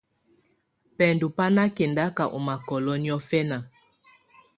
Bɛndɔ̀ bà nà kɛndaka ù makɔlɔ̀ niɔfɛna.